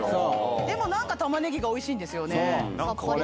でも何かタマネギがおいしいんですよね。